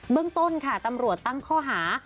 เรื่องต้นค่ะตำรวจตั้งข้อหา